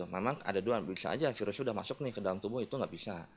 memang ada dua bisa saja virus sudah masuk ke dalam tubuh itu nggak bisa